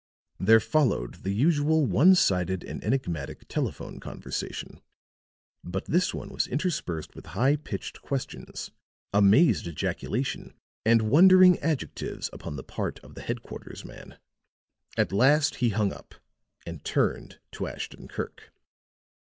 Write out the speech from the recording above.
There followed the usual one sided and enigmatic telephone conversation; but this one was interspersed with high pitched questions, amazed ejaculation and wondering adjectives upon the part of the headquarters man. At last he hung up and turned to Ashton Kirk.